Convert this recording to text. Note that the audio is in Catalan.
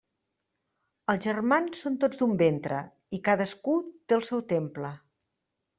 Els germans són tots d'un ventre, i cadascú té el seu temple.